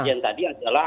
pak jentadi adalah